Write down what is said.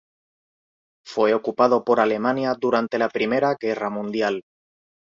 Fue ocupado por Alemania durante la Primera Guerra Mundial.